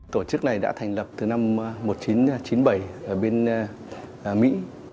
tổ chức này đã thành lập từ năm một nghìn chín trăm chín mươi bảy ở bên mỹ